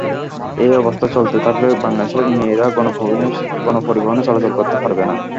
এ অবস্থা চলতে থাকলে বাংলাদেশে মেয়েরা গণপরিবহনে চলাচল করতে পারবে না।